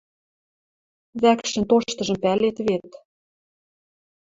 — Вӓкшӹн тоштыжым пӓлет вет.